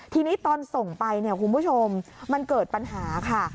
ทีนี้ตอนส่งไปเนี่ยคุณผู้ชมมันเกิดปัญหาค่ะ